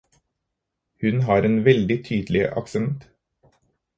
Hun har en veldig tydelig aksent.